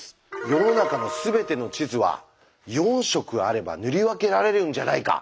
世の中のすべての地図は４色あれば塗り分けられるんじゃないか。